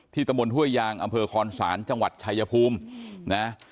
ที่ตมทั่วยางอำเภอคอนสานจังหวัดชายภูมินะ